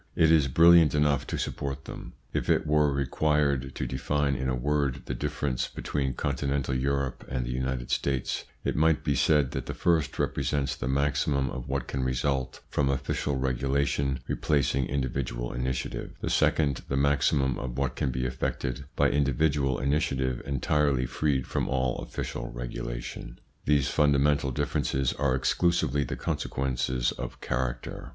It is brilliant enough to support them. If it were required to define in a word the difference between Continental Europe and the United States, it might be said that the first represents the maximum of what can result from official regulation replacing individual initiative ; the second, the maximum of what can be effected by individual initiative entirely freed from all official regulation. These fundamental differences are exclusively the consequences of character.